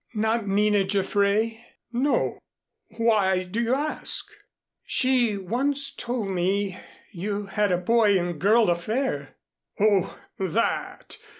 "Not Nina Jaffray?" "No, why do you ask?" "She once told me you had a boy and girl affair." "Oh, that!